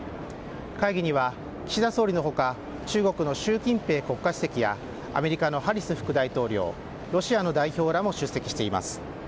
会議には岸田総理の他中国の習近平国家主席やアメリカのハリス副大統領ロシアの代表らも出席しています。